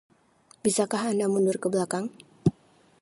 Bisakah Anda mundur ke belakang?